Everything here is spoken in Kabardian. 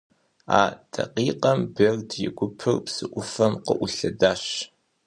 А дакъикъэм Берд и гупыр псы ӏуфэм къыӏулъэдащ.